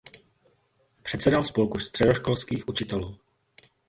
Předsedal spolku středoškolských učitelů.